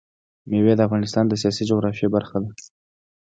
مېوې د افغانستان د سیاسي جغرافیه برخه ده.